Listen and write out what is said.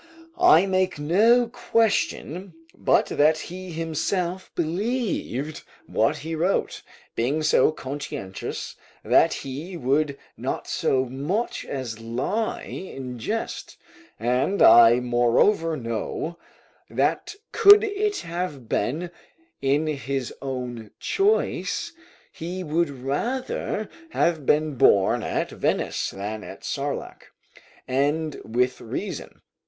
I make no question but that he himself believed what he wrote, being so conscientious that he would not so much as lie in jest: and I moreover know, that could it have been in his own choice, he had rather have been born at Venice, than at Sarlac; and with reason.